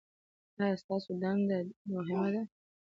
ایا ستاسو دنده مهمه ده؟